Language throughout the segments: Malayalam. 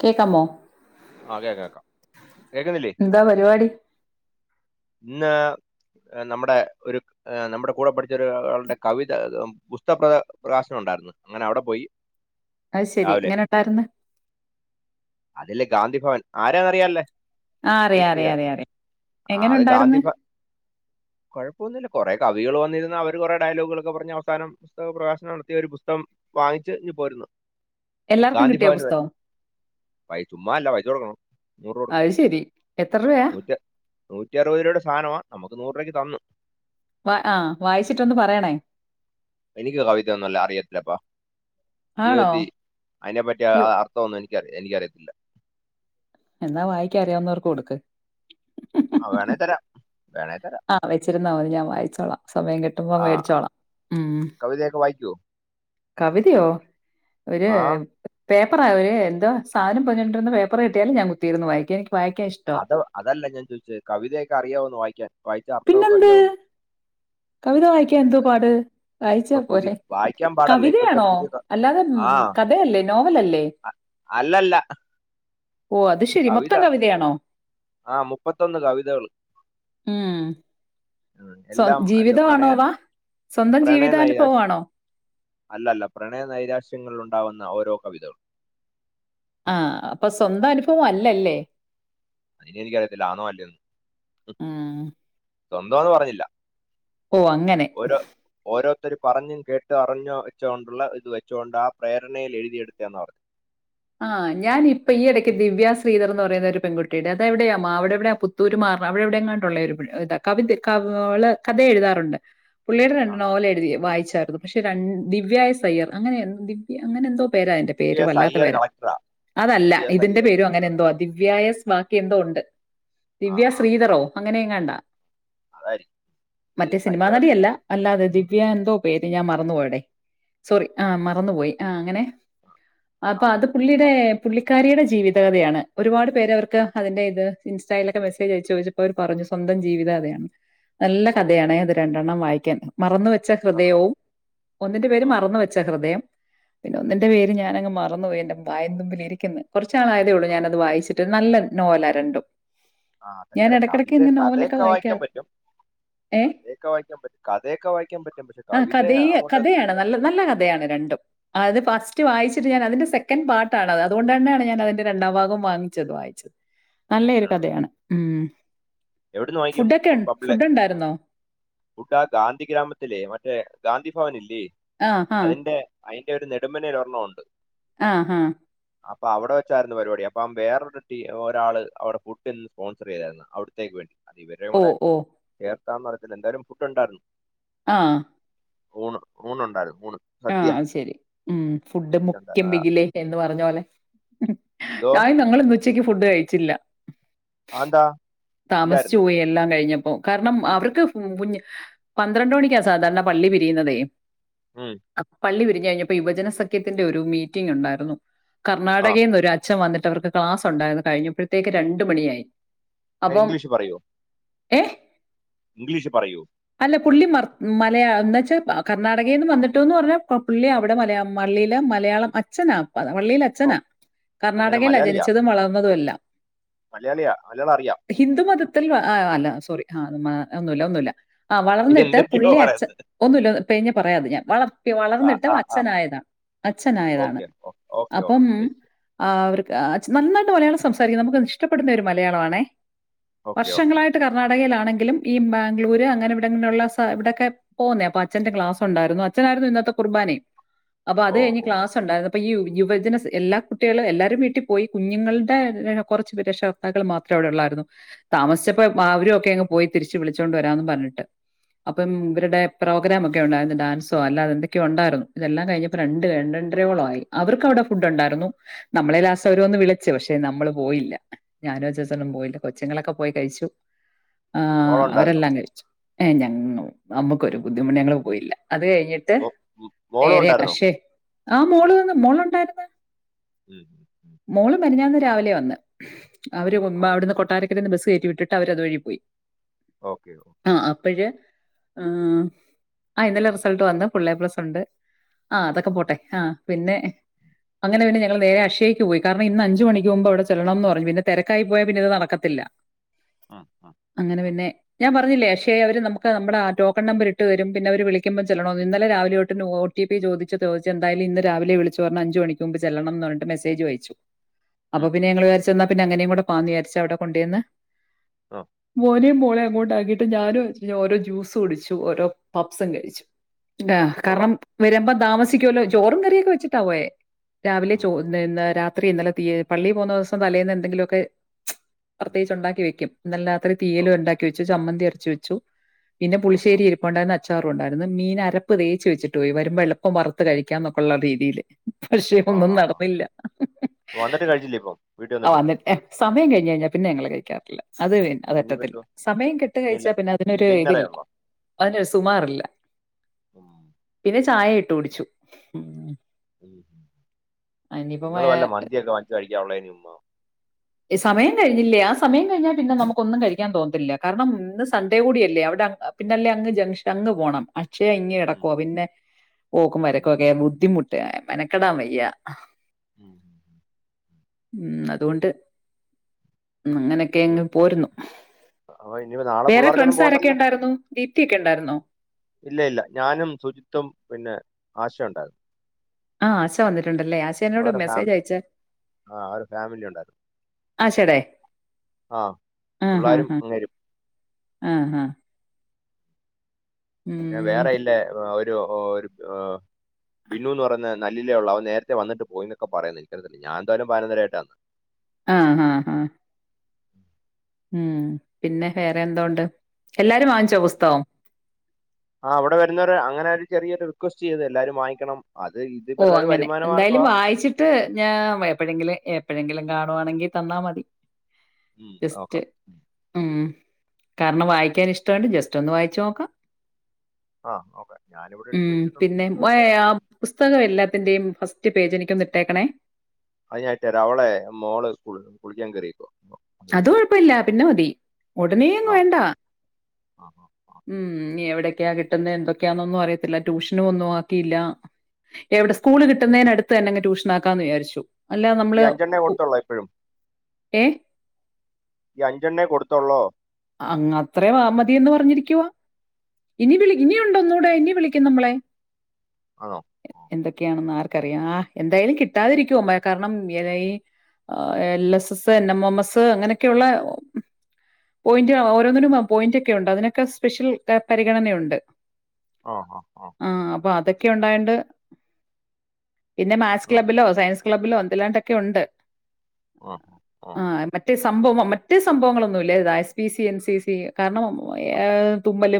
കേക്കാമോ ആഹ് കേക്ക കേക്കാം കേക്കുന്നില്ലേ എന്താ പരിപാടി ഇന്ന് നമ്മടെ ഒരു ഹ് നമ്മുടെ കൂടെ പഠിച്ച ഒരാളുടെ കവിത പുസ്തക പ്ര പ്രകാശനം ണ്ടായിരുന്നു അങ്ങനെ അവിടെ പോയി അത്ശെരി എങ്ങനെ ഉണ്ടായിരന്ന് അതില്ലേ ഗാന്ധി ഭവൻ ആരാന്നറിയല്ലേ ആ അറിയാം ദീപ്രിയ അറിയാം അറിയാം അറിയാം ആ എങ്ങനെ അത് ഗാന്ധി ഉണ്ടായിരുന്നു ഫ കുഴപ്പമൊന്നുമില്ല കുറെ കവികൾ വന്നിരുന്ന അവര് കുറെ ഡയലോഗുകളൊക്കെ പറഞ് അവസാനം പുസ്തക പ്രകാശനം നടത്തിയ ഒരു പുസ്തകം വാങ്ങിച്ച് ങ്‌പോരുന്നു എല്ലാർക്കും കിട്ടിയൊ പുസ്തകം പൈ ചുമ്മാ അല്ല, പൈസ കൊടുക്കണം. നൂറ് രൂപ അത് കൊടുക്കണം. ശരി എത്ര രൂപയാ നൂറ്റി നൂറ്റി അറുപത് രൂപയുടെ സാനമാ നമുക്ക് നൂറു രൂപക്ക് തന്ന്. വ ആഹ് വായിച്ചിട്ടൊന്ന് പറയണേ എനിക്ക് കവിതയൊന്നുല്ല അറിയത്തില്ല അപ്പാ. ആണോ ജീവിതത്തി അയിനെ പറ്റി അ യോ ആ ത്തോ ഒന്നും എനിക്കറി എനിക്കറിയത്തില്ല. എന്നാ വായിക്കാൻ അറിയാവുന്നവർക്ക് കൊടുക്ക് ആഹ് വേണേ തരാം വേണെ തരാ ആഹ് വെച്ചിരുന്നാ മതി ഞാൻ വായിച്ചോളാം സമയം കിട്ടുമ്പോ ആ മേടിച്ചോളാം ഉം കവിതയൊക്കെ വായിക്കുവോ കവിതയോ ഒര് ആ പേപ്പറാ ഒര് എന്താ സാനം പൊതിഞ്ഞോണ്ടിരുന്ന പേപ്പർ കിട്ടിയാലും ഞാൻ കുത്തിയിരുന്നു വായിക്കും. എനിക്ക് വായിക്കാ ഇഷ് അത് അതല്ല ഞാൻ ചോയിച്ചെ. കവിതയൊക്കെ അറിയാവോന്നു വായിക്കാൻ. വായിച്ച് അർത്ഥവൊക്കെ പിന്നെന്ത് അറിയാവോന്നു കവിത വായി ക്ക്യാൻ എന്തോ പാട്. വായിച്ചാ ഇപ്പൊ പുതിയ പോരെ. വായിക്കാൻ പാടല്ല ഇപ്പോഴത്തെ കവിതയാണോ പുതിയ ക- അല്ലാതെ ഉം ആ കഥയല്ലേ നോവലല്ലേ അല്ലല്ല ഓഹ് അത് ശരി കവിത മൊത്തം കവിതയാണോ ആ മുപ്പത്തൊന്ന് കവിതകൾ ഉം ഉം, സ്വ എല്ലാം എന്താ ജീവിതമാണോ പ്രണയ വ. സ്വന്തം പ്രണയ നൈരാശ്യം ജീവിതാനുഭവവാണോ? അല്ലല്ല. പ്രണയ നൈരാശ്യങ്ങളിലുണ്ടാവുന്ന ഓരോ കവിതകളും ആഹ് അപ്പൊ സ്വന്തം അനുഭവം അല്ലല്ലേ അതിനി എനിക്കറിയത്തില്ല ആന്നോ അല്ലയോന്ന്. ഉം സ്വന്തമാന്ന് പറഞ്ഞില്ല. ഓഹ് അങ്ങനെ ഓരോത്തർ പറഞ്ഞും കേട്ട് അറിഞ്ഞൊ വെച്ചോണ്ടുള്ള ഇത് വെച്ചൊണ്ടാ പ്രേരണയിൽ എഴുതിയെടുത്തേന്നാ പറഞ്ഞെ. ആഹ് ഞാനിപ്പോ ഈയിടയ്ക്ക് ദിവ്യ ശ്രീധർന്ന് പറയുന്ന ഒരു പെൺകുട്ടിയുടെ അതെവിടെയാ മാവിടെവിടെയാ പു തൂരുമാറണം അവിടെ എവിടെ എങ്ങാണ്ടുള്ള ഒരു പിള്ളേ കവിതെ കവ് അവള് കഥ എഴുതാറുണ്ട്. പുള്ളേർ ആ രണ്ട് നോവൽ എഴുതി വായിച്ചായിരുന്നു പക്ഷെ രണ് ദിവ്യാ എസ് അയ്യർ അങ്ങനെ ദിവ്യ അങ്ങനെ എന്തോ പേരാ അയ്ൻ്റെ. ദിവ്യ എസ് അയ്യർ കളക്ടറാ. അതല്ല വി എസ് ഇതിന്റെ അയ്യർ പേരും അങ്ങനെ എന്തോ ആ. ദിവ്യാ എസ് ബാക്കി എന്തോ ഒണ്ട്. ആ ദിവ്യാ ആ ശ്രീധറോ അങ്ങെനെയെങ്ങാണ്ട അതായിരിക്കും ഈ മറ്റേ സിനിമാ സയ്യറല്ല നടിയല്ല. അല്ലാതെ ദിവ്യ എന്തോ പേര് ഞാൻ മറന്നു പോയടെ. സോറി ആഹ് മറന്നുപോയി ആഹ് അങ്ങനെ അപ്പ ആ അത് പുള്ളിയുടെ പുള്ളിക്കാരിയുടെ ജീവിതകഥയാണ്. ഒരുപാട് പേര് അവർക്ക് അതിന്റെ ഇത് ഇൻസ്റ്റായിലൊക്കെ മെസ്സേജ് അയച്ചു ചോദിച്ചു അപ്പോ അവര് പറഞ്ഞു സ്വന്തം ജീവിത കഥയായാണ് ന്ന് നല്ല ഓ ഓ കഥയാണേ അത് രണ്ടെണ്ണം വായിക്കാൻ. മറന്ന് വെച്ച ആ ഹൃദയവും ഒന്നിന്റെ പേര് ആ മറന്ന് വെ ച്ച ഹൃദയം. പിന്നെ ഒന്നിന്റെ പേര് ഞാനങ്ങ് മറന്നു പോയി. എന്റെ വായിൻ തുമ്പിലിരിക്കുന്ന്. കൊറച്ച് നാളായതേ ഉള്ളൂ ആ, ഞാനത് വായിച്ചിട്ട് നല്ല നോവലാ രണ്ടും. ആഹ് ഞാൻ അതൊക്കാരെ ഇടയ്ക്കിടയ്ക്ക് കവിത ഇങ്ങനെ നോവലൊക്കെ കഥയൊക്കെ വായിക്കാൻ വായിക്കാറ് പറ്റും. ഏ കഥയൊക്കെ വായിക്കാൻ പറ്റും കഥയൊക്കെ വായിക്കാ പറ്റും പക്ഷെ ആ കവിത കഥയെ അങ്ങോട്ട് കഥയാണ്. നല്ല നല്ല കഥയാണ് രണ്ടും. ആഹ് ഇത് ഫസ്റ്റ് വായിച്ചിട്ട് ഞാൻ അതിന്റെ സെ ക്കൻ പാർട്ടാണ് അത്. അതുകൊണ്ട് തന്നെയാണ് ഞാൻ അതിന്റെ രണ്ടാം ഭാഗവും വാങ്ങിച്ചത് വായിച്ചത്. ആ, നല്ലെയൊരു കഥയാണ്. ഉം എവിടുന്ന് ഫുഡൊക്കെ ഉൺ ഫുഡ് ഉണ്ടായിരുന്നോ? ഫുഡാ ഗാന്ധി ഗ്രാമത്തിലേ മറ്റേ ഗാന്ധി ഭവൻ ഇല്ലേ ആ, ആ. അതിൻ്റെ അയിന്റെ ഒര് നെടുമ്പനയിൽ ഒരെണ്ണമുണ്ട്. ആഹാ. അപ്പൊ അവിടെ വെച്ചായിരുന്നു പരിപാടി അപ്പം വേറൊരു ടീ ഒരാള് അവിടെ ഫുഡ് എന്ന് സ്പോൺസർ ചെയ്തായ്രുന്നു. അവി ടേക്ക് വേണ്ടി. അത് ഇവരെ ഓ, കൂടെ ഓ. ചേർത്താന്ന് അറിയത്തില്ല. എന്തായാലും ഫുഡ് ഉണ്ടായിരുന്നു. ആഹ്. ഊണ് ഊണ് ഉണ്ടായിരുന്നു ഊണ്. സദ്യ ആഹ് അത് ശരി. ഉം ഫുഡ് സദ്യ മുഖ്യം ഉണ്ടായിരുന്നു ആ, ബിഗിലേ എന്ന് പറഞ്ഞ പോലെ എന്തോ ആയി ന്നങ്ങള് ന്ന് ഉച്ചക്ക് ഫുഡ് കഴിച്ചില്ല ആ എന്താ താമസിച്ചു ഇല്ലായിരുന്നു പോയെ എല്ലാം കഴിഞ്ഞപ്പം. കാരണം അവർക്ക് കുഞ്ഞ് പന്ത്രണ്ട് മണിക്കാ സാധാരണ പള്ളി പിരിയുന്നതേ മ്മ് പള്ളി വിരിഞ്ഞു കഴിഞ്ഞപ്പോ യുവജന സഖ്യത്തിന്റെ ഒരു മീറ്റിംങ്ങ് ഉണ്ടായിരുന്നു. ആ കർണാടകേന്നൊരാ അച്ഛം വന്നിട്ട് അവർക്ക് ക്ലാസ് ഉണ്ടായിരുന്നു. കഴിഞ്ഞപ്പോഴത്തേക്ക് രണ്ട മണിയായി അങ്ങനെ അപ്പം ഇംഗ്ലീഷ് പറയൂ എഹ് ഇംഗ്ലീഷ് പറയൂ അല്ല പുള്ളി മർ മലയാള എന്നന്ന് വെച്ചാൽ കർണ്ണാടകയിൽ നിന്ന് വന്നിട്ട് ട്ടുന്ന് പറഞ്ഞാ പുള്ളി അവിടെ മലയാം പള്ളിയിലെ മലയാളം അഛനാ പള്ളിയിലെ ഓ ന അത് തന്നെ കർണ്ണാടകല്ല മലയാളിയാ ജനിച്ചതും വളർന്നതും എല്ലാം മലയാളിയാ മലയാള അറിയാം ഹിന്ദുമതത്തിൽ അല്ല സോറി ആഹ നമ്മ ഒന്നുമല്ല ഒന്നുമല്ല ആ വളർന്നിട്ട് എന്തൊക്കെയോ പുള്ളി അച്ച പറയുന്നത് ഒന്നുമ ഇ പേ പറയാെ ഞാൻ വളർ ആ വളർന്നിട്ട് ആ ആ അച്ഛനായതാണ് അച്ഛനായതാണ് ഓക്കെ ഓക്കെ ഓക്കെ അപ്പം ശരി ശരി ആ അവർക്ക് നന്നായിട്ട് മലയാളം സംസാരിക്കാം നമുക്ക് ഇഷ്ടപ്പെടുന്ന ഒരു മലയാളമാണേ ഓക്കെ ഓക്കെ വർഷങ്ങളായിട്ട് കർണ്ണാടകയിലാണെങ്കിലും ഈ ബാംഗ്ലൂര് അങ്ങനെ ഇവിടെ ഇങ്ങനെയുള്ള ഇവിടൊക്കെ പോകുന്നേ അപ്പൊ അച്ഛന്റെ ക്ലാസ് ഉണ്ടായിരുന്നു അച്നായിരുന്നു ഇന്നത്തെ കുർബാനയും അപ്പൊ അത് ഓ കഴി ഓ ക്ലാ ഉണ്ടായി അപ്പൊ ഈ യുവജന എല്ലാ കുട്ടികളും എല്ലാവാരും വീട്ടിൽ പോയി കുഞ്ഞുങ്ങളുടെ കുറച്ച് പ രക്ഷ വാക്കൾ മാത്രം അവിടെയള്ളായിരുന്നു താമസിച്ചപ്പോ അവരും ഒക്കെ അങ്ങ് പോയി തിരിച്ച് വിളിച്ചുകൊണ്ട് വരാമന്ന് പറഞ്ഞിട്ട് ഉം, അപ്പം ഉം. ഇവരുടെ പ്രോഗ്രാാം ഒക്കെ ഉണ്ടായിരുന്നു ഡാൻസ് അല്ലാതെന്തൊക്കെയ ഉണ്ടായിരുന്നു ഇതെല്ലാം കഴിഞ്ഞപ്പോ രണ്ട് രണ്ടരോളോ ആയി അവർക്ക് അവിടെ ഫുഡ് ഉണ്ടായിരുന്നു നമ്മളെ ലാസ അവര ഒന്ന് വിളിച്ചു പക്ഷെ നമ്മള് പോയില്ല ഞാനോജസൊന്നും പോയില്ല കൊച്ചുങ്ങളൊക്കെ പോയി കഴിച്ചു ആഹ് മോളുണ്ടായിരുന്നോ അവരെല്ലാം കഴിച്ചു ഏയ് ഞങ്ങ നമ്മുക്കൊരു ബുദ്ധിമുട്ട് ഞങ്ങള് പോയില്ല അത് കഴിഞ്ഞിട്ട് മോ- ഉം, മോളും ഉണ്ടായിരുന്നോ [unintelligible] ആ മോള് വന്ന് മോളുണ്ടായിരുന്ന് [unintelligible] മോള് മെനഞ്ഞാന്ന് രാവിലെയാവന്നെ അവര് വന്നു ആ അവിടുന്ന് കൊട്ടാരക്കരേൽന്ന് ബസ് കയറ്റി വിട്ടിട്ട് അവര് അത് വഴി പോയി ഓക്കെ ഓക്കെ അപ്പഴ് അഹ് ആ ഇന്നലെ റിസൾട്ട് വന്ന് ഫുള്ളേ പ്ലസ് ഉണ്ട് ആഹ് അതൊക്കെ ഉം, പോട്ടെ ആഹ് പിന്നെ അങ്ങനെ പിന്നെ ഞങ്ങ നേരെ അക്ഷയയ്ക്ക് പോയി കാരണം ഇന്നഞ്ച് മണിക്ക് മുമ്പ് അവിടെ ചെല്ലണംന്ന് പറഞ്ഞു പിന്നെതിരക്കായി പോയാ പിന്നെ ഇത് നടക്കത്തില്ല മ്മ്ഹ് മ്മ്ഹ് അങ്ങനെ പിന്നെ ഞാൻ പറഞ്ഞില്ലേ അക്ഷയെ അവര് നമുക്ക് നമ്മുടെ ആ ടോക്കൺ നമ്പർ ഇട്ട് തരും പിന്നെ അവര് വിളിക്ക ക്കുമ്പോ ചെല്ലണോന്ന് ഇന്നല രാവിലൊട്ടന്നെ ഒ ടി പി ചോദിച്ച് ചോദിച്ച് എന്തായാലും ഇന്ന് രാവിലെ വിളിച്ചു പറഞ്ഞ് അഞ്ചു മണിക്ക് ക്ക് മുമ്പ് ചെല്ലണംന്ന് പറഞ്ഞട്ട് മെസ്സേജും അയച്ചു ഉം, അപ്പപിന്നെ ഉം. ഞങ്ങള് വിചാരിച്ച് അന്നാപ്പിന്നെ അങ്ങനേം കൂടെ പോവാന്ന് വിചാരിച്ച് അവിടകൊണ്ടോന്ന് ആ മോനേം മോളേം അങ്ങോട്ട് ആകി ട്ട് ഞാനും അച്ഛനും ഓരോ ജ്യൂസ് കുടിച്ചു ഓരോ പപ്സും കഴിച്ചു ആ കൊള്ളാം കാരണം വരുമ്പോ താമസിക്കുവല്ലോ ചോറും കറിയൊക്കെ വെച്ചിട്ടപ്പോയേ രാവിലെ ഉം, ചോ ഉം, ഇ രാത്രി ഇന്നലെ തീ പള്ളീൽ പോവുന്നോസം തലേന്ന് എന്തെങ്കിലുമൊക്കെ ഉം. പ്രത്യേകച്ച് ഒണ്ടാക്കി വെക്കും ഇന്നല രാത്രി തീയല് ഓക്കെ. ഒണ്ടാക്കി വെച്ചു ചമ്മന്തിയരച്ച് വെച്ചു പിന്നെ ആ ആ പുളിശ്ശേരി ഇരി പ്പൊണ്ടായിരുന്ന് അച്ചാറുംണ്ടായിരുന്നു മീൻഅരപ്പ് തേച്ച് വച്ചിട്ട് പോയി വരുമ്പോ എളുപ്പം വറുത്ത് കഴിക്കാന്നെക്കൊള്ള രീതിയിൽ പക്ഷേ ആ ഒന്നും ആ ആ. നടന്നില്ല വന്നിട്ട് കഴിച്ചില്ലേ ഇപ്പം വീട്ടിൽ ആ വന്നിട്ടും വന്നിട്ടേ സമയം കഴിഞയ്ഞ്ഞ പിന്നെ ഞങ്ങൾ കഴിക്കാറില്ല അത് പിന്നെ അപ്പൊ ഇനിയിപ്പോ അതറ്റത്തില്ല എന്തോ സമയം കെട്ട് ഇനിയില്ല കഴിച്ചാ പിന്നെ ഇനി അതിനൊരു ഡിന്നറേ ഇതില്ല ഉള്ളോ അതിനൊരു സുമാറില്ല മ്മ്ഹ് പിന്നെ ചായ ഇട്ടു കുടിച്ചു മ്മ്ഹ് ഇനിയിപ്പം നിങ്ങള് വല്ല മന്തിക്കെ വച്ച് കഴിക്കാനൊള്ളേന് ചുമ്മ സമയം കഴിഞ്ഞില്ലേ ആ സമയം കഴിഞ്ഞാൽ പിന്നെ നമുക്കൊന്നും കഴിക്കാൻ തോന്നത്തില്ല കാരണം ഇന്ന് സൺ‌ഡേ കൂടിയല്ലേ അവിടെ പിന്നെ അല്ലേ അങ്ങ് ജംഗ്ഷൻ അങ്ങ് പോണം അക്ഷയ ഇങ്ങ് ഉം. കെടക്കുവ പിന്നെ പോക്കും ഉം. വരക്കുവക്കെ ബുദ്ധിമുട്ട് ട്ടെ മെനക്കെടാ വയ്യ മ്മ്ഹ് മ്മ്ഹ് അതുകൊണ്ട് ഇനി- അങ്ങനെയൊക്കെങ്ങ് പോരുന്നു അപ്പൊ ഇനി നാളെ വേറെ പിള്ളേർക്കൊന്നും ഫ്രണ്ട്സ് ആരൊക്കെ പോകണ്ടല്ലോ ഇണ്ടായിരുന്നു ദീപ്തി ഒക്കെ ഇണ്ടായിരുന്നോ ഇല്ല, ഇല്ല ഞാനും, സുജിത്തും പിന്നെ ആശ ഒണ്ടായിരുന്നു. ആഹ് ആശ വന്നിട്ടുണ്ടല്ലേ ആശ എന്നോട് അവരുടെ മെസ്സേജ് ഫാമിലി അയച്ച ആ അവരുടെ ഫാമിലി ഉണ്ടായിരുന്നു ആശേടേ. ആ ആഹ്, ഹ്, പിള്ളേരും ഹ് അങ്ങേരും ആഹ്, ഹ പിന്നെ ഉം. വേറെ ഇല്ലേ ഒരു, ഒരു, ഒ ബിനു എന്ന് പറയ നല്ലില്ലേ ഉള്ളേ അവൻ നേരത്തെ വന്നിട്ട് പോയിന്നൊക്കെ പറയ്ന്നെ. എനിക്ക് ഞാനെന്തായാലും പതിനൊന്നരയായിട്ടാ വന്നെ. ആ, ഹാ, ഹാ. മ്മ്ഹ് പിന്നെ വേറെ എന്തോണ്ട്. എല്ലാരും വാങ്ങിച്ചോ പുസ്തകം? ആ അവിടെ വരുന്നവര് അങ്ങനെ ഒരു ചെറിയൊരു റിക്വസ്റ്റ് ചെയ്ത് എല്ലാരും വാങ്ങിക്കണം. അത് ഇത് വരുടെ ഒരു വരുമാന മാർഗൊവ. ട്ട് ഞാ എപ്പഴെങ്കിലും, എപ്പഴെങ്കിലും കാണുവാണെങ്കി തന്നാ മതി. ഉം, ലിസ്റ്റ്. നോക്കാം ഉം. മ്മ്ഹ് കാരണം വായിക്കാൻ ഇഷ്ട്ടണ്ട് ജസ്റ്റ് ഒന്ന് വായിച്ചു നോക്കാം. ആ നോക്ക ഞാനിവിടെ എടുത്ത് ഉം. വെച്ചിട്ടുണ്ട് പിന്നെ എടുത്ത വ ഏഹ്, തരാം. ആ പുസ്തകം എല്ലാത്തിന്റെയും ഫസ്റ്റ് പേജ് എനിക്കൊന്നിട്ടേക്കണേ. അത്ഞായിട്ടേര അവളെ മോള് കുളിക്കാൻ കേറിയേക്കുവാ. അത് കൊഴപ്പല്ല പിന്ന മതി. ഉടനെ അങ്ങ് ആ വേണ്ട. ആ ആ ആ ഉം എവിടെയൊക്കെയാ കിട്ടുന്നെ എന്തൊ ക്കാന്നൊന്നും അറിയത്തില്ല. ട്യൂഷനും ഒന്നും ആക്കിയില്ല. എവിടെ സ്കൂള് കിട്ടുന്നെനടു ത് തന്നങ് ട്യൂഷനാക്കാന്ന് വിചാരിച്ചു. അല്ല ഈ നമ്മള് അഞ്ചെണ്ണേ ഉ കൊടുത്തുള്ളോ ഇപ്പോഴും ഏഹ് ഈ അഞ്ചെണ്ണെ കൊടുത്തോള്ളോ? അങ്ങ അത്രേം വാ മതി എന്ന് പറഞ്ഞിരിക്കുവ. ഇനി വിളി ഇനിയൊണ്ട് ഒന്നൂടെ ഇനി വിളിക്കും നമ്മളെ. ആണോ. എന്തൊക്കെയാണെന്ന് ആർക്കറിയാം. ആ എന്തായാലും കിട്ടാതിരിക്കുവോമ്മെ കാരണം ഈ L S S N M M S അങ്ങനെയൊക്കെയുള്ള. പോയിന്റ് ഓരോന്നിനും പോയിന്റക്കെ ഉണ്ട് അതിനൊക്കെ സ്പെഷ്യൽ പരിഗണനയുണ്ട്. ആഹ്, ആഹ്, ആഹ്. ആ അപ്പൊ അതൊക്കെ ഒണ്ടായൊണ്ട് പിന്നെ മാത് സ് ആ ക്ലബ്ബിലോ, സയൻസ് ക്ലബിലോ എന്ത്ല്ലാണ്ടൊക്കെ ഒണ്ട്. ആഹ. ആഹ് മറ്റേ സംഭവം മറ്റേ സംഭവങ്ങളൊന്നും ഇല്ല [unintelligible] P C N C C കാരണം ഏഹ്.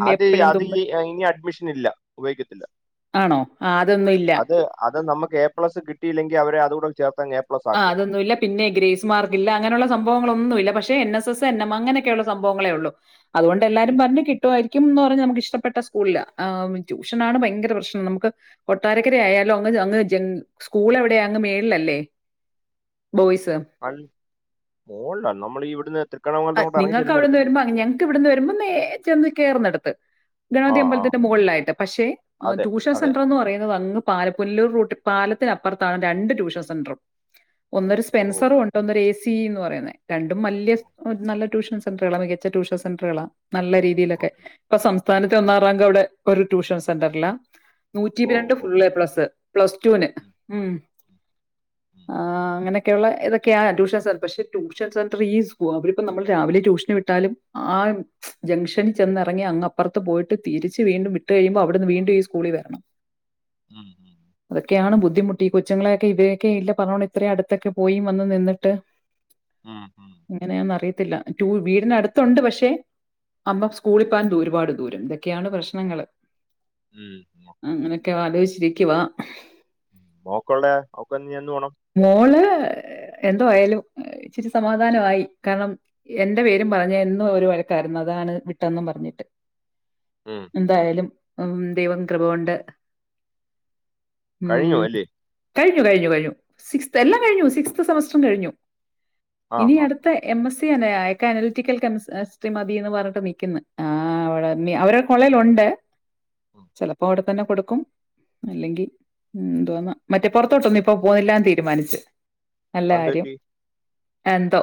അത്, അത് ഇനി അഡ്മിഷനില്ല ഉപയോഗിക്കത്തില്ല. ആണോ ആ അതൊന്നും ഇല്ല. അത് അത് നമുക്ക് എ പ്ലസ് കിട്ടയില്ലെങ്കി അവര് അതൂട ചേർത്തങ് എ പ്ലസ് ആഹ് ആക്കും അതൊന്നുല്ല. പിന്നെ ഗ്രേസ് മാർക്ക് ഇല്ല അങ്ങനുള്ള സംഭവങ്ങളോന്നും ഇല്ല പക്ഷെ N S S N M അങ്ങനെയൊക്കെയള്ള സംഭവങ്ങളേ ഒള്ളു. അതുകൊണ്ട് എല്ലാരും ഉം. പറഞ്ഞു കി കിട്ടുവായിരിക്കും എന്ന് പറഞ്ഞ് നമുക്ക് ഇഷ്ടപ്പെട്ട സ്കൂളില. ട്യൂഷനാണ് ഭയങ്കര പ്രശ്നം നമുക്ക് കൊട്ടാരക്കരയാലും അങ്ങ്, അങ്ങ് ജങ് സ്കൂൾ എവിടെയാ അങ്ങ് മേളിലല്ലേ. ബോയ്സ്. അൽ മോളില നമ്മള് ഈ ഇവിടുന്ന് തൃക്കണ്ണമൂലത്ത് അങ്ങോട്ട് എറങ്ങി നിങ്ങൾക്ക് അവിടുന്ന് ചെല്ലുന്നിടത്തില്ലേ. വരുമ്പോ ഞങ്ങക്ക് ഇവിടുന്ന് വരുമ്പോ നേ ചെന്ന് കേറുന്നെടുത്ത്. ആ ഗണപതി ആ അമ്പലത്തിന്റെ മുകളിലായിട്ട് പക്ഷേ അതെ ട്യൂഷൻ അതെ സെന്റർ എന്ന് പറയുന്നത് അങ്ങ് പാല പുല്ലൂർ റൂട്ട് പാലത്തിന് അപ്പറത്താണ് രണ്ട് ട്യൂഷൻ സെന്ററും. ഒന്നൊരു ഓ സ്പെൻസറും ഒണ്ട് ഒന്നൊരു എ സി എന്ന് പറയുന്നേ രണ്ടും വല്ല്യ നല്ലൊരു ട്യൂഷൻ സെൻട്രള. മികച്ചട്യൂഷൻ സെൻട്രളാ നല്ല രീതിയിലക്കെ ഓക്കെ ഇപ്പൊ സംസ്ഥാനത്തെ ഒന്നാം റാങ്ക് അവിടെ ഒരു ട്യൂഷൻ സെന്ററില നൂറ്റി ഓ രണ്ട് ഓ ഫുൾ എ പ്ലസ്. പ്ലസ് ടൂന് ഉം. ഉം, ആഹ്. അങ്ങനൊക്കെ യുള്ള ഇത് ഒക്കയാ ട്യഷൻ സെന്റർ പക്ഷെ ട്യൂഷൻ സെന്റർ ഈ അവരിപ്പോ നമ്മൾ രാവിലെ ട്യൂഷൻ വിട്ടാലും ആർ ജംഗ്ഷനിൽ ചെന്ന് എറങ്ങി അങ് അപ്പുറത്ത് പോയിട്ട് തിരിച്ച് വീണ്ടും വിട്ട് കഴിയ്ബൊ അവിടുന്ന് വീണ്ടും ഈ സ്കൂളിൽ വരണം ഉം ഉം അതൊക്കെയാണ് ബുദ്ധിമുട്ട് കൊച്ചങ്ങളെൊക്കെ ഇത് ഒക്കെ ഇല്ല പറഞ്ഞോണം ഇത്രയും അടുത്തൊക്കെ പോയി വന്ന് നിന്നിട്ട് ഉം ഹും അങ്ങനെയെന്ന് അറിയത്തില്ല വീടിനടുത്തുണ്ട് പക്ഷെ അപ്പം ഉം, സ്കൂളിൽ പേവാൻ ഒരുപാട് ദൂരം ഒക്കെയാണ് പ്രശ്നങ്ങൾ ഉം ഓക്കെ ഒക്കെ ആലോചിച്ചിരിക്കുവാ മോക്കള്ള ഓക് എന്ന് പോണം മോള് എന്തോ ആയാലും ഇച്ചിരി സമാധാനമായി കാരണം എന്റെ പേരും പറഞ്ഞ് എന്നും ഒരു വഴക്കായിരുന്നു അതാണ് വിട്ടന്നും പറഞ്ഞിട്ട് ഉം എന്തായാലും ദൈവം കൃപകൊണ്ട് കഴിഞ്ഞു ഉം അല്ലേ കഴിഞ്ഞ കഴിഞ്ഞു കഴിഞ്ഞു സിക്സ്ത് എല്ലാംകഴിഞ്ഞു സിക്സ്ത് സെമസ്റ്ററും കഴിഞ്ഞു ആ ഇനി ആ അട് ത്തെ എം എസി തന്നെ അയാക്ക് അനാൽറ്റിക്കൽ കെമിസ്ട്രി മതീന്ന് പറഞ്ഞ്ട്ട് നിക്ക്ന്നെ ആഹ് അവട അവരൊ പൊള്ളലൊണ്ട് ഉം. ചെലപ്പൊ അട്- തന്നെ കൊട്ക്കും അല്ലെങ്കി ൻന്തോന്നാ മറ്റെ പൊറത്തോട്ടൊന്നിപ്പോ പോവ്ന്നില്ല തീരുമാനിച്ച് അതെന്ത് നല്ലകാര്യം പറ്റി എന്തോ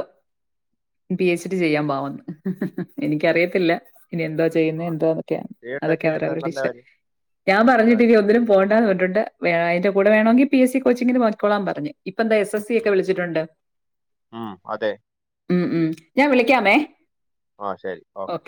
ഉം. പി എച്ച് ഡി ചെയ്യാൻ പാവാന്ന്. എനിക്കറിയത്തില്ല ഇനി എന്താ- ചെയ്യുന്നെ ആ എന്താന്നൊക്കെ ചെയ്യട്ടെ അതൊക്കെ ചെയ്യട്ടെ അവരവരുടെ നല്ല ഇഷ്ടം. കാര്യം ഞാം നല്ല കാര്യം പറഞ്ഞ്ട്ട്നി ഒന്നിനും പോവണ്ടാന്ന് പറഞ്ഞ്ട്ടുണ്ട്. വേ അതിന്റെ കൂടെ വേണോങ്കി പി എസ് സി കോച്ചിങ്ങിന് പൊയ്ക്കോളാൻ പറഞ്ഞ്. ഇപ്പൻന്തോ എസ് എസ് ക്കെ ഉം. വിളിച്ച്ട്ടൊണ്ട്. ഉം, അതെ ഇമ് ഇമ് ഞാൻ വിളിക്കാമെ. ആഹ് ശരി ഓകെ.